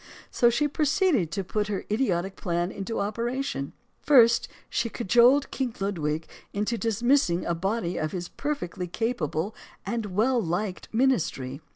So she proceeded to put her idiotic plans into operation. First, she cajoled King Ludwig into dismissing in a body his perfectly capable and well liked ministry.